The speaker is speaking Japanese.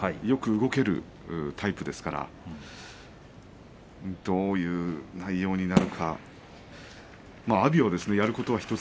よく動けるタイプですからどういう内容になるか。